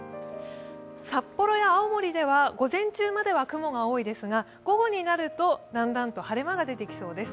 札幌や青森では午前中までは雲が多いですが午後になるとだんだんと晴れ間が出てきそうです。